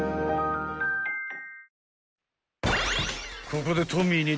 ［ここでトミーに］